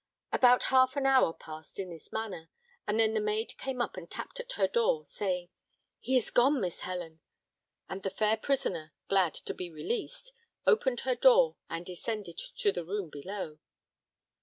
About half an hour passed in this manner, and then the maid came up and tapped at her door, saying, "He is gone, Miss Helen:" and the fair prisoner, glad to be released, opened her door and descended to the room below.